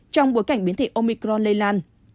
trong bối cảnh biến thể omicron lây lan